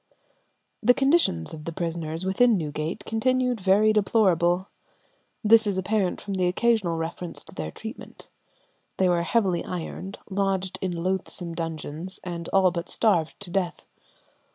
The condition of the prisoners within Newgate continued very deplorable. This is apparent from the occasional references to their treatment. They were heavily ironed, lodged in loathsome dungeons, and all but starved to death.